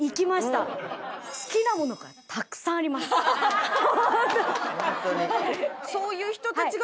ハハハハ！